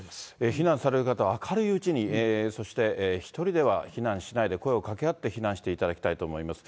避難される方は、明るいうちに、そして１人では避難しないで声をかけ合って避難していただきたいと思います。